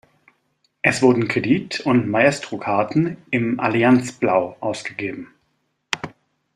Es wurden Kredit- und Maestro-Karten im „Allianz-Blau“ ausgegeben.